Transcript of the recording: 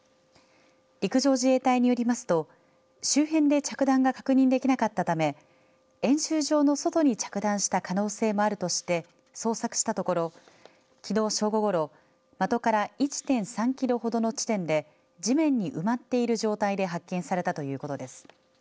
陸上自衛隊によりますと周辺で着弾が確認できなかったため演習場の外に着弾した可能性もあるとして捜索したところきのう正午ごろ的から１．３キロほどの地点で地面に埋まっている状態で発見されたということです。